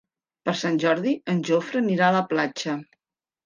Per Sant Jordi en Jofre anirà a la platja.